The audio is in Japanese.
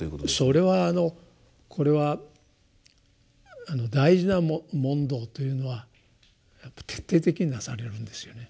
それはあのこれは大事な問答というのはやっぱり徹底的になされるんですよね。